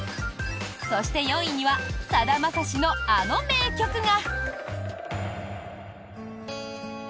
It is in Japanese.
そして、４位にはさだまさしのあの名曲が！